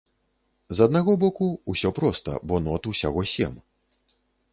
З аднаго боку, усё проста, бо нот усяго сем.